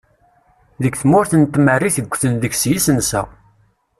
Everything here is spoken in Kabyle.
Deg tmurt n tmerrit ggten deg-s yisensa.